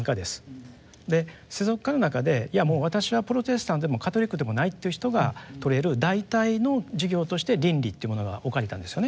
世俗化の中でいやもう私はプロテスタントでもカトリックでもないっていう人がとれる代替の授業として倫理っていうものが置かれたんですよね。